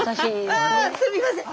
あすみません。